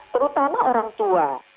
terutama orang tua